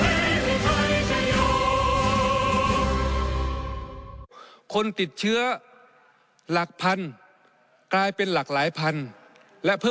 ให้มีรักสมมุมแต่ทุกรกไม่กล้าเอกราชจะไม่ให้ใครคงเพลิน